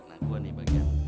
nah gua nih di bagian pantat